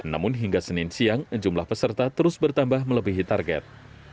namun hingga senin siang jumlah peserta terus bertambah melebihi target